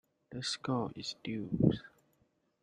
The score is deuce.